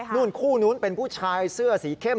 นู่นคู่นู้นเป็นผู้ชายเสื้อสีเข้ม